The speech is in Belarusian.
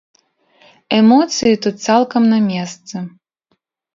Эмоцыі тут цалкам на месцы.